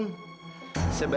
k paham k paham